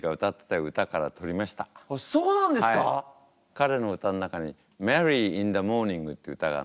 彼の歌の中に「マリー・イン・ザ・モーニング」っていう歌があるんですよね。